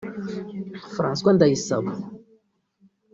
François Ndayisaba